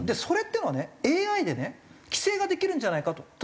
それってのはねＡＩでね規制ができるんじゃないかと。